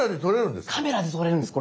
カメラで撮れるんです。